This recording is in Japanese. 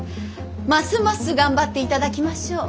ますます頑張っていただきましょう。